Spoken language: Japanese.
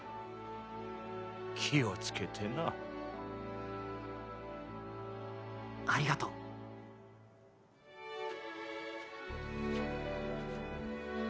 気を付けてな。ありがとうッ！